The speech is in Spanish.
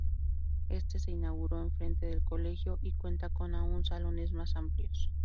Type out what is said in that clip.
Este se inauguró en frente al colegio, y cuenta con aun salones más amplios.